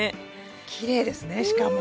きれいですねしかも。